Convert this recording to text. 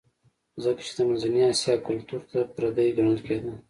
ځکه چې د منځنۍ اسیا کلتور ته پردی ګڼل کېده